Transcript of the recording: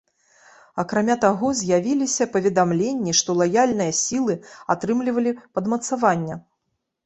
Акрамя таго, з'явіліся паведамленні, што лаяльныя сілы атрымлівалі падмацавання.